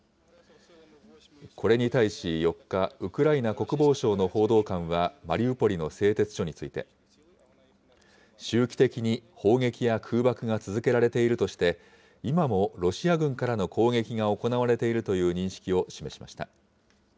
これに対し４日、ウクライナ国防省の報道官はマリウポリの製鉄所について、周期的に砲撃や空爆が続けられているとして、今もロシア軍からの攻撃が行われているという認識を示しました。